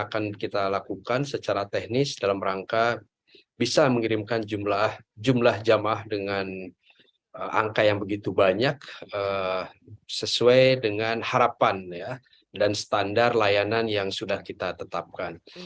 yang pertama kita harus memiliki kekuatan yang cukup besar untuk mencapai jumlah jemaah yang akan kita lakukan secara teknis dalam rangka bisa mengirimkan jumlah jemaah dengan angka yang begitu banyak sesuai dengan harapan dan standar layanan yang sudah kita tetapkan